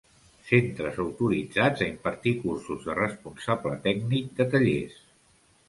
Centres autoritzats a impartir cursos de responsable tècnic de tallers.